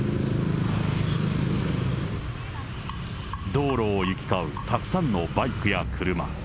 道路を行き交うたくさんのバイクや車。